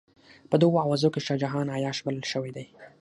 په دغو اوازو کې شاه جهان عیاش بلل شوی دی.